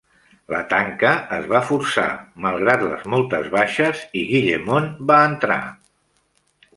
La tanca es va forçar, malgrat les moltes baixes, i Guillemont va entrar.